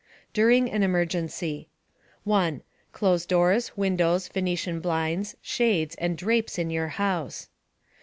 DURING AN EMERGENCY 1. Close doors, windows, venetian blinds, shades, and drapes in your house.